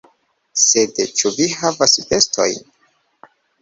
Sed, ĉu vi havas bestojn?